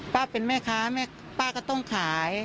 ป้าเป็นแม่ค้าป้าก็ต้องขาย